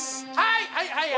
はい！